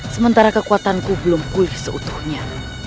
sementara kekuatanku belum pulih seutuhnya